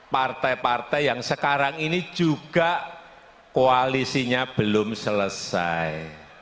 partai partai yang sekarang ini juga koalisinya belum selesai